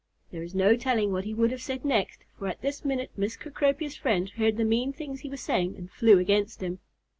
There is no telling what he would have said next, for at this minute Miss Cecropia's friend heard the mean things he was saying, and flew against him.